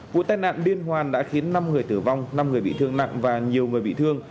vụ tai nạn liên hoàn đã khiến năm người tử vong năm người bị thương nặng và nhiều người bị thương